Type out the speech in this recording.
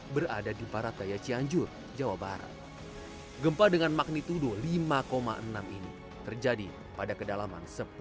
berada di barat daya cianjur jawa barat gempa dengan magnitudo lima enam ini terjadi pada kedalaman sepuluh